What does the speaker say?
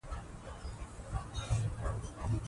هغه د ښوونکو لپاره مسلکي مرکزونه جوړ کړل.